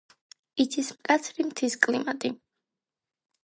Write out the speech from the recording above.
იცის მკაცრი მთის კლიმატი.